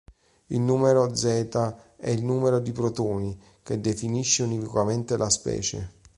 Il numero "Z" è il numero di protoni, che definisce univocamente la specie.